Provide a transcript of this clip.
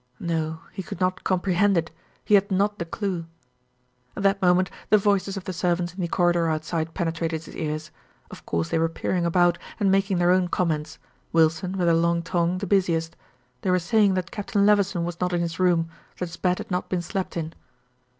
No he could not comprehend it; he had not the clue. At that moment the voices of the servants in the corridor outside penetrated his ears. Of course they were peering about, and making their own comments. Wilson, with her long tongue, the busiest. They were saying that Captain Levison was not in his room; that his bed had not been slept in.